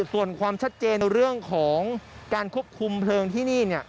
ส่วนความชัดเจนเรื่องของการควบคุมเพลิงที่นี่